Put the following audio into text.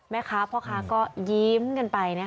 ไม่ค่ะพ่อค้าก็ยิ้มกันไป